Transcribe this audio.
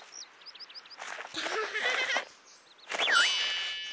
アハハハハ。